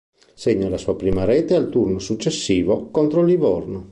Segna la sua prima rete al turno successivo, contro il Livorno.